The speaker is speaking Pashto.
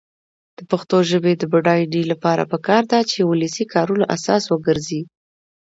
د پښتو ژبې د بډاینې لپاره پکار ده چې ولسي کارونه اساس وګرځي.